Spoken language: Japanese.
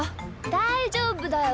だいじょうぶだよ！